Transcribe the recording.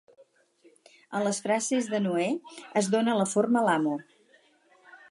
En les frases de Noè, es dona la forma "lamo".